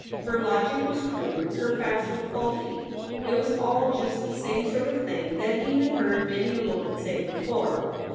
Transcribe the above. H er logic was crude, her facts were faulty. It was all just the same sort of thing that he had heard many a woman say before.